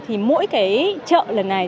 thì mỗi cái chợ lần này